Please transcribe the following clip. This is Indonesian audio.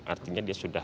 artinya dia sudah